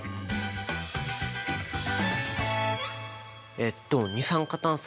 えっと二酸化炭素